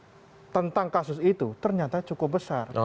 dan pemahaman masyarakat tentang kasus itu ternyata cukup besar